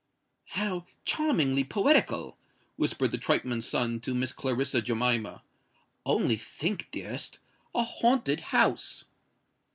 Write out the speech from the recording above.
"How charmingly poetical!" whispered the tripeman's son to Miss Clarissa Jemima: "only think, dearest—a haunted house!"